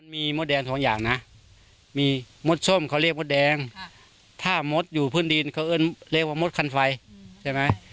มีมดแดงสองอย่างนะมีมดส้มเขาเรียกมดแดงถ้ามดอยู่พื้นดินเขาเอิ้นเรียกว่ามดคันไฟใช่ไหม